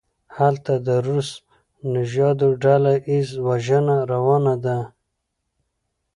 هلته د روس نژادو ډله ایزه وژنه روانه ده.